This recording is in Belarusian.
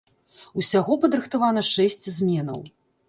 Усяго падрыхтавана шэсць зменаў.